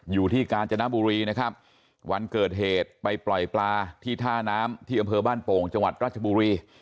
กาญจนบุรีนะครับวันเกิดเหตุไปปล่อยปลาที่ท่าน้ำที่อำเภอบ้านโป่งจังหวัดราชบุรี